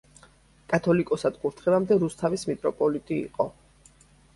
კათოლიკოსად კურთხევამდე რუსთავის მიტროპოლიტი იყო.